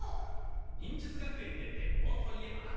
忍術学園で鉄砲といえば？